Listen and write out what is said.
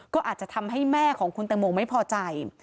ก็อาจจะทำให้แม่ของคุณตังโมไม่พอใจ